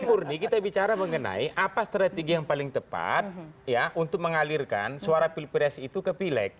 ini murni kita bicara mengenai apa strategi yang paling tepat ya untuk mengalirkan suara pilpres itu ke pileg